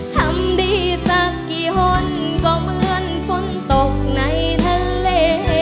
ทำดีสักกี่คนก็เหมือนฝนตกในทะเล